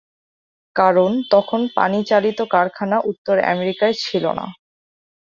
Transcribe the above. কারণ তখন পানি চালিত কারখানা উত্তর আমেরিকায় ছিল না।